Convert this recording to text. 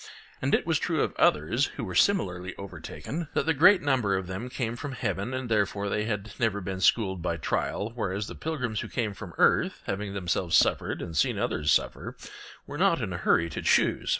And it was true of others who were similarly overtaken, that the greater number of them came from heaven and therefore they had never been schooled by trial, whereas the pilgrims who came from earth having themselves suffered and seen others suffer, were not in a hurry to choose.